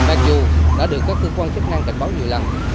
mặc dù đã được các cơ quan chức năng cảnh báo nhiều lần